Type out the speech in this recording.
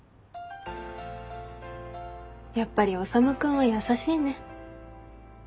やっぱり修君は優しいね。